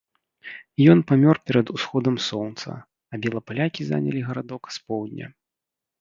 Ён памёр перад усходам сонца, а белапалякі занялі гарадок з поўдня.